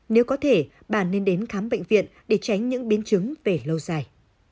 nếu có thể bà nên đến khám bệnh viện để tránh những biến chứng về lâu dài